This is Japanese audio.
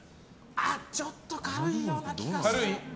ちょっと軽いような気がする。